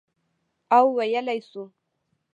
او ویلای شو،